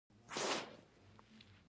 د غره ممیز څه ګټه لري؟